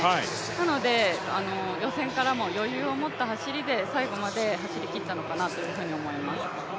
なので予選からも余裕を持った走りで最後まで走りきったのかなというふうに思います。